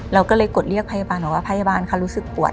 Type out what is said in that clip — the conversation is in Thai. เราก็เลยกดเรียกพยาบาลบอกว่าพยาบาลเขารู้สึกปวด